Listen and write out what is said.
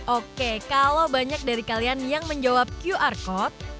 oke kalau banyak dari kalian yang menjawab qr code